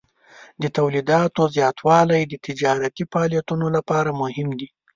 د تولیداتو زیاتوالی د تجارتي فعالیتونو لپاره مهم دی.